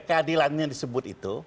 keadilan yang disebut itu